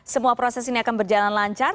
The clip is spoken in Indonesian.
semua proses ini akan berjalan lancar